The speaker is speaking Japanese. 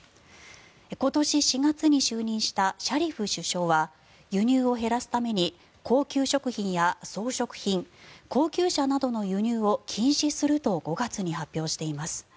今年４月に就任したシャリフ首相は輸入を減らすために高級食品や装飾品高級車などの輸入を禁止すると５月に発表しています。